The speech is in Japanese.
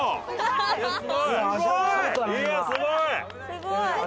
すごい！